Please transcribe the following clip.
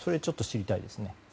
ちょっと知りたいですね。